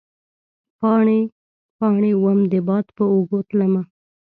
پاڼې ، پا ڼې وم د باد په اوږو تلمه